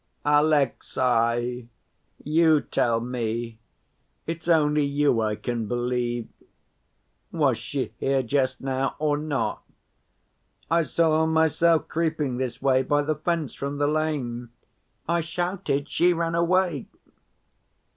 "Alexey! You tell me. It's only you I can believe; was she here just now, or not? I saw her myself creeping this way by the fence from the lane. I shouted, she ran away."